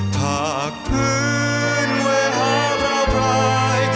ผากพื้นเวหาพราพราย